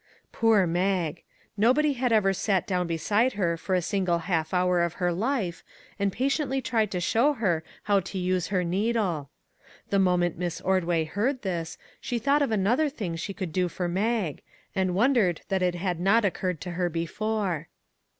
Poor Mag ! Nobody had ever sat down be side her for a single half hour of her life and patiently tried to show her how to use her needle. The moment Miss Ordway heard this, she thought of another thing she could do for Mag, and wondered that it had not occurred to her before.